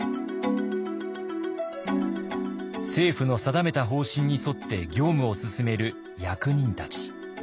政府の定めた方針に沿って業務を進める役人たち。